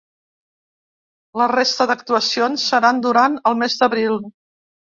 La resta d’actuacions seran durant el mes d’abril.